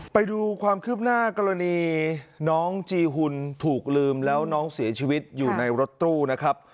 ไปดูความคืบหน้ากรณีน้องจีหุ่นถูกลืมแล้วน้องเสียชีวิตอยู่ในรถตู้นะครับ